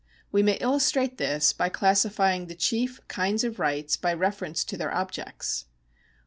We may illustrate this by classifying the chief kinds of rights by reference to their objects.